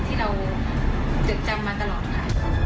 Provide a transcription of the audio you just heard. ที่เราจดจำมาตลอดค่ะ